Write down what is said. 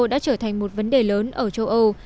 đã trở thành một vấn đề lớn ở châu âu